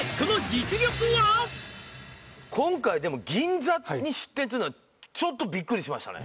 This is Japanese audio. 今回でも銀座に出店っていうのはちょっとビックリしましたね